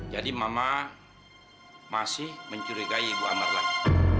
jadi mama masih mencurigai bu ambar lagi